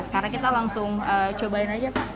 sekarang kita langsung cobain aja pak